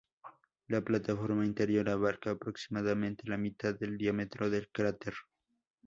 La plataforma interior abarca aproximadamente la mitad del diámetro del cráter.